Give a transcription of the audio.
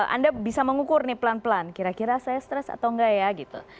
anda bisa mengukur nih pelan pelan kira kira saya stres atau enggak ya gitu